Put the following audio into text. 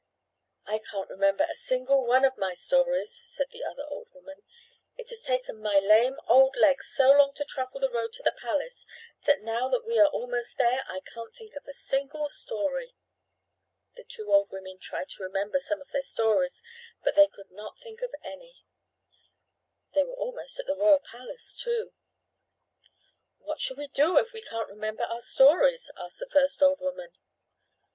"I can't remember a single one of my stories," said the other old woman. "It has taken my lame old legs so long to travel the road to the palace that now that we are almost there I can't think of a single story." The two old women tried to remember some of their stories, but they could not think of any. They were almost at the royal palace, too. "What shall we do if we can't remember our stories?" asked the first old woman.